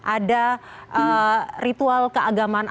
ada ritual keagamaan